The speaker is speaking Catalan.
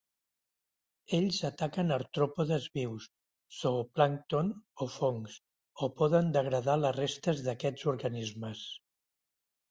Ells ataquen artròpodes vius, zooplàncton o fongs o poden degradar les restes d'aquests organismes.